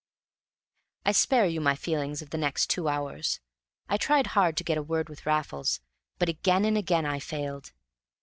I spare you my feelings of the next two hours. I tried hard to get a word with Raffles, but again and again I failed.